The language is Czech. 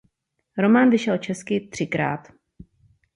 Román vyšel česky třikrát.